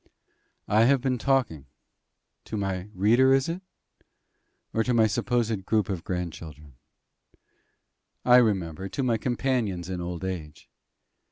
I have been talking to my reader is it? or to my supposed group of grandchildren? I remember to my companions in old age.